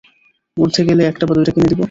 উর্ধ্বে গেলে একটা বা দুইটা কিনে দিবি।